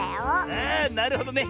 あなるほどね。